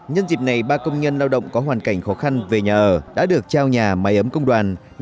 nhân dịp này ba công nhân lao động có hoàn cảnh khó khăn về nhà ở đã được trao nhà máy ấm công đoàn